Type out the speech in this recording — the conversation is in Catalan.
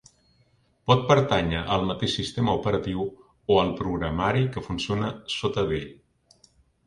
Pot pertànyer al mateix sistema operatiu, o al programari que funciona sota d'ell.